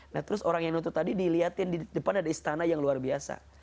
nah terus orang yang nutup tadi dilihatin di depan ada istana yang luar biasa